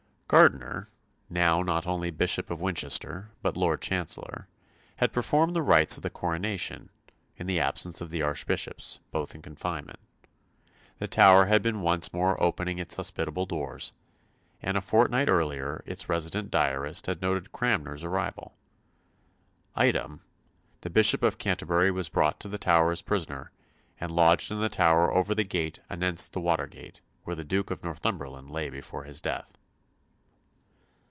Gardiner, now not only Bishop of Winchester but Lord Chancellor, had performed the rites of the coronation, in the absence of the Archbishops, both in confinement. The Tower had been once more opening its hospitable doors, and a fortnight earlier its resident diarist had noted Cranmer's arrival. "Item, the Bishop of Canterbury was brought into the Tower as prisoner, and lodged in the Tower over the gate anenst the water gate, where the Duke of Northumberland lay before his death."